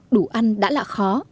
đủ ăn đã là khó